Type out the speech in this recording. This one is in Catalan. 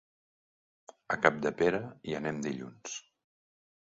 A Capdepera hi anem dilluns.